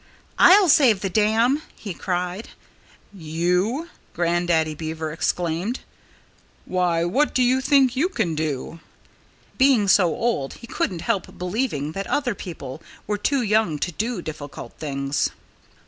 "I'll save the dam!" he cried. "You?" Grandaddy Beaver exclaimed. "Why, what do you think you can do?" Being so old, he couldn't help believing that other people were too young to do difficult things.